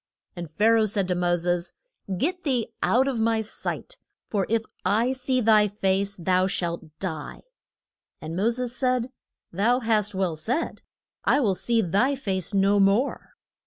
And Pha ra oh said to Mo ses, Get thee out of my sight. For if I see thy face thou shalt die. And Mo ses said, Thou hast well said: I will see thy face no more.